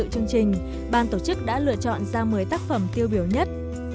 chương trình ban tổ chức đã lựa chọn ra một mươi tác phẩm tiêu biểu nhất